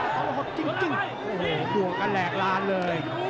เขาหดจริงโอ้โหด่วงกระแหลกลานเลย